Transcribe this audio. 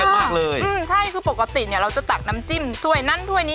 มากเลยอืมใช่คือปกติเนี้ยเราจะตักน้ำจิ้มถ้วยนั้นถ้วยนี้